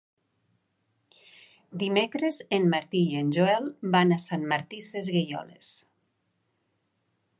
Dimecres en Martí i en Joel van a Sant Martí Sesgueioles.